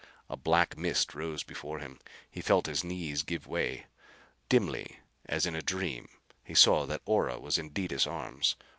A black mist rose before him. He felt his knees give way. Dimly, as in a dream, he saw that Ora was in Detis' arms.